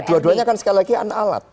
dua duanya sekali lagi alat